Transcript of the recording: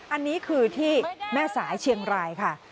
อันนี้คือที่แม่สายเชียงรายค่ะ